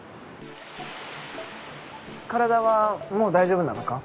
体はもう大丈夫なのか？